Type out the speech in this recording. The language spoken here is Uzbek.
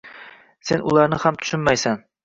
Sen ularni ham tushunmaysan.